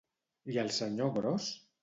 I el senyor gros?